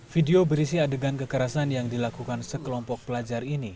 video berisi adegan kekerasan yang dilakukan sekelompok pelajar ini